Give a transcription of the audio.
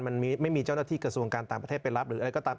มันไม่มีเจ้าหน้าที่กระทรวงการต่างประเทศไปรับหรืออะไรก็ตาม